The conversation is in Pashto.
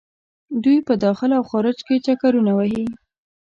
دوۍ په داخل او خارج کې چکرونه وهي.